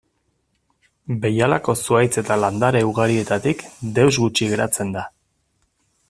Behialako zuhaitz eta landare ugarietatik deus gutxi geratzen da.